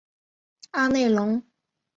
阿内龙。